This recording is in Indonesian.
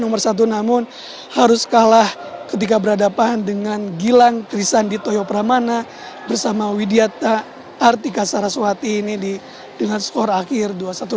nomor satu namun harus kalah ketika berhadapan dengan gilang krisan di toyopramana bersama widyata artika saraswati ini dengan skor akhir dua satu ratus dua belas dua satu ratus sembilan belas